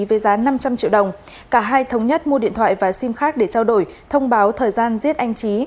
với giá năm trăm linh triệu đồng cả hai thống nhất mua điện thoại và sim khác để trao đổi thông báo thời gian giết anh trí